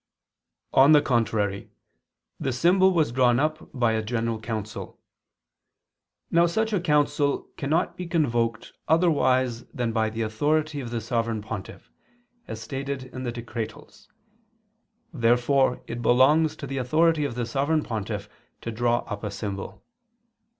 On the contrary, The symbol was drawn up by a general council. Now such a council cannot be convoked otherwise than by the authority of the Sovereign Pontiff, as stated in the Decretals [*Dist. xvii, Can. 4, 5]. Therefore it belongs to the authority of the Sovereign Pontiff to draw up a symbol.